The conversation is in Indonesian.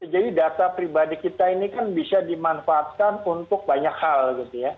jadi data pribadi kita ini kan bisa dimanfaatkan untuk banyak hal gitu ya